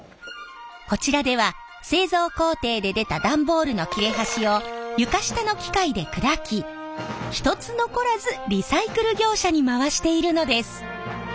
こちらでは製造工程で出た段ボールの切れ端を床下の機械で砕き一つ残らずリサイクル業者に回しているのです。